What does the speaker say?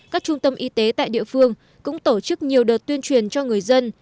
các trung tâm y tế tại địa phương cũng tổ chức nhiều đợt tuyên truyền cho người dân